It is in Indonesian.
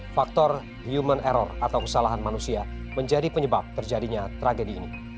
faktor human error atau kesalahan manusia menjadi penyebab terjadinya tragedi ini